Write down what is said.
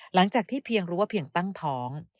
หลังจากที่เพียงรู้ว่าเพียงตั้งท้อง